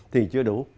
thì chưa đủ